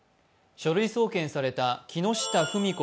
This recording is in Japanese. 書類送検された木下富美子